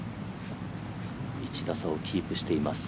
１打差をキープしています